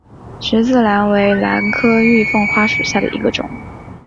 十字兰为兰科玉凤花属下的一个种。